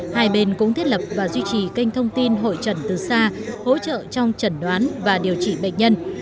hai bên cũng thiết lập và duy trì kênh thông tin hội trần từ xa hỗ trợ trong trần đoán và điều trị bệnh nhân